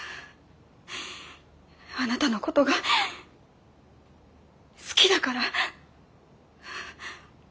あなたの事が好きだから。